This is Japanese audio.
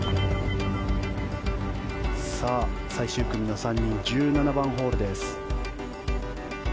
最終組の３人１７番ホールです。